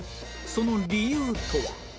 その理由とは？